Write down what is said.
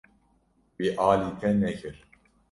Wî alî te nekir.